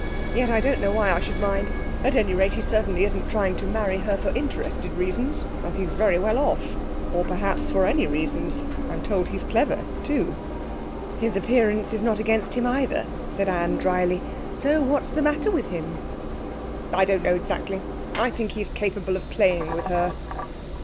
Yet I don't know why I should mind. At any rate, he certainly isn't trying to marry her for interested reasons, as he's very well off or perhaps for any reasons. I'm told he's clever, too.' 'His appearance is not against him either,' said Anne dryly; 'so what's the matter with him?' 'I don't know exactly. I think he's capable of playing with her.'